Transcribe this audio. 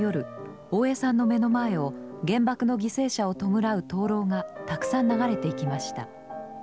大江さんの目の前を原爆の犠牲者を弔う灯籠がたくさん流れていきました。